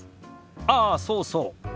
ああそうそう。